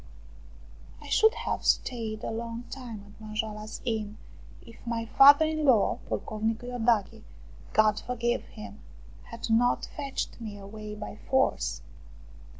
I should have stayed a long time at Manjoala's Inn if my father in law, Pocovnicu lordache, God forgive him, had not fetched me away by force.